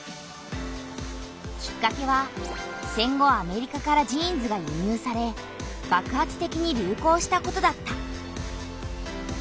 きっかけは戦後アメリカからジーンズが輸入さればくはつてきに流行したことだった。